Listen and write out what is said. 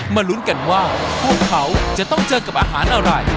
ลุ้นกันว่าพวกเขาจะต้องเจอกับอาหารอะไร